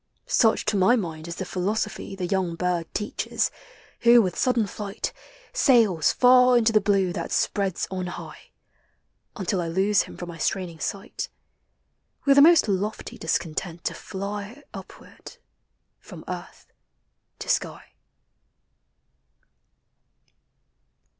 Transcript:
Such, to my mind, is the philosophy The young bird teaches, who, with sudden flight, Sails far into the blue that spreads on high, Until I lose him from my straining sight,— With a most lofty discontent to fly Upward, from earth to sky.